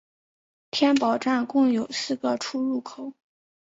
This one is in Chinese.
天宝站共有四个出入口。